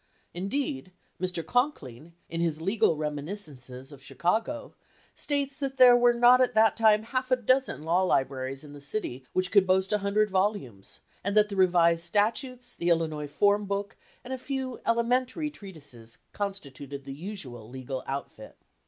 Indeed, Mr. Conkling, in his legal remi niscences of Chicago, states that there were not at that time half a dozen law libraries in the city which could boast a hundred volumes, and that the Revised Statutes, the Illinois Form book, and a few elementary treatises constituted the usual legal outfit.